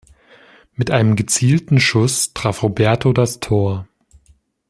Mit einem gezielten Schuss traf Roberto das Tor.